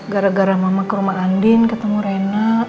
gara gara mama ke rumah andin ketemu renard